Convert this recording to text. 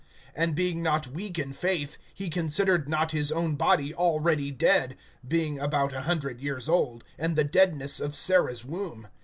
(19)And being not weak in faith, he considered not his own body already dead, being about a hundred years old, and the deadness of Sarah's womb.